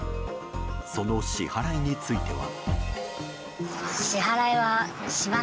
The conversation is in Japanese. その支払いについては。